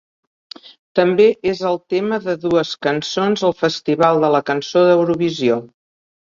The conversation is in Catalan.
També és el tema de dues cançons al Festival de la Cançó d'Eurovisió.